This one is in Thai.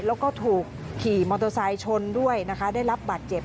แล้วก็ถูกขี่มอเตอร์ไซค์ชนด้วยนะคะได้รับบาดเจ็บ